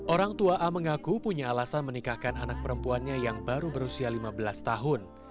orang tua a mengaku punya alasan menikahkan anak perempuannya yang baru berusia lima belas tahun